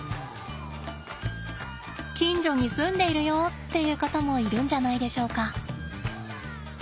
近所に住んでいるよっていう方もいるんじゃないでしょうか。